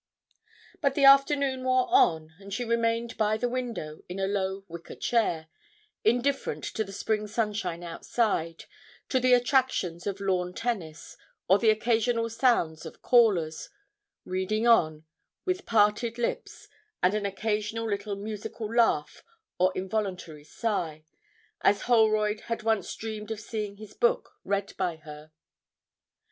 But the afternoon wore on, and she remained by the window in a low wicker chair, indifferent to the spring sunshine outside, to the attractions of lawn tennis, or the occasional sounds of callers, reading on with parted lips and an occasional little musical laugh or involuntary sigh, as Holroyd had once dreamed of seeing his book read by her.